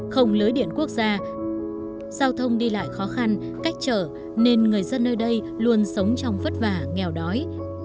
không lưới điện quốc gia giao thông đi lại khó khăn cách trở nên người dân nơi đây luôn sống trong vất vả nghèo đói